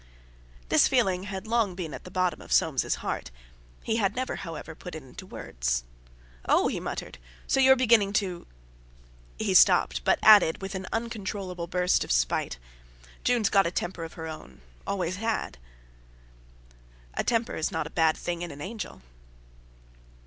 This feeling had long been at the bottom of Soames's heart; he had never, however, put it into words. "Oh!" he muttered, "so you're beginning to...." He stopped, but added, with an uncontrollable burst of spite: "Jun's got a temper of her own—always had." "A temper's not a bad thing in an angel."